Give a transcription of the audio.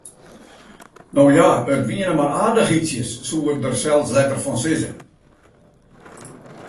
No ja, it wiene mar aardichheidsjes, soe er der sels letter fan sizze.